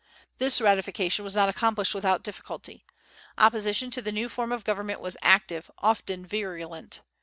This ratification was not accomplished without difficulty. Opposition to the new form of government was active, often virulent.